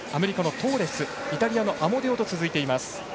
トーレス、イタリアのアモデオと続いています。